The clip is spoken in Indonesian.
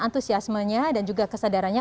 antusiasmenya dan juga kesadarannya